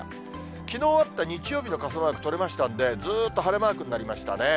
きのうあった日曜日の傘マーク取れましたんで、ずっと晴れマークになりましたね。